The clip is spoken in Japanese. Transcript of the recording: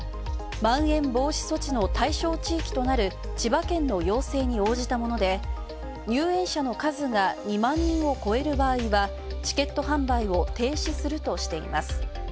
まん延防止措置の対象地域となる千葉県の要請に応じたもので入園者の数が２万人を超える場合はチケット販売を停止するとしています。